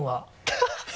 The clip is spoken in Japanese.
ハハハ